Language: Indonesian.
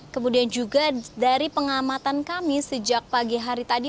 kemudian juga dari pengamatan kami sejak pagi hari tadi